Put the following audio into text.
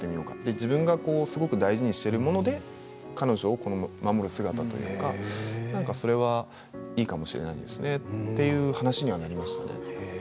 自分がすごく大事にしているもので彼女を守る姿というかなんかそれはいいかもしれないですねという話にはなりました。